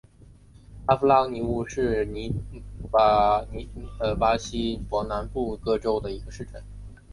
阿夫拉尼乌是巴西伯南布哥州的一个市镇。